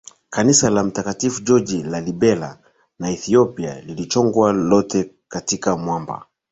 Kanisa la mtakatifu George Lalibela na Ethiopia lilichongwa lote katika mwamba